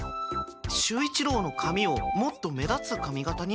守一郎の髪をもっと目立つ髪形に？